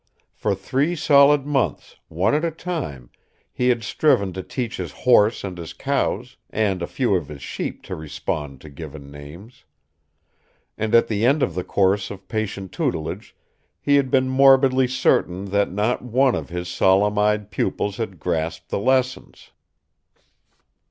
For three solid months, at one time, he had striven to teach his horse and his cows and a few of his sheep to respond to given names. And at the end of the course of patient tutelage he had been morbidly certain that not one of his solemn eyed pupils had grasped the lessons.